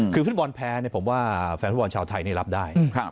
คือฟุตบอลแพ้ผมว่าแฟนฟุตบอลชาวไทยนี่รับได้